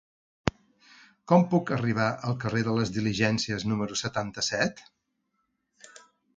Com puc arribar al carrer de les Diligències número setanta-set?